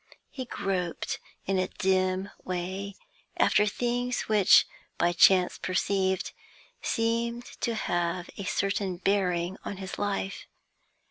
He groped in a dim way after things which, by chance perceived, seemed to have a certain bearing on his life.